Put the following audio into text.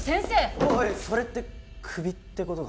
おいそれってクビってことか？